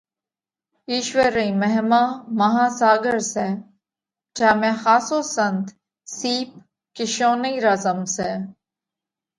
اِيشوَر رئِي مهما ماها ساڳر سئہ۔ جيا ۾ ۿاسو سنت سِيپ (ڪِيشونئِي) را زم سئہ۔